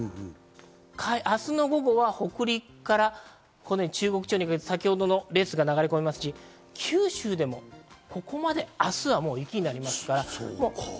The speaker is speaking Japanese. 明日の午後は北陸から中国地方にかけて、先ほどの列が流れ込みますし、九州でもここまで、明日は雪になります。